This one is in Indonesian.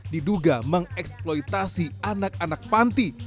diduga mengeksploitasi anak anak panti